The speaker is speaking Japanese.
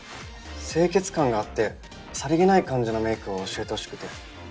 清潔感があってさり気ない感じのメイクを教えてほしくて。